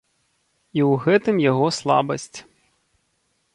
І ў гэтым яго слабасць.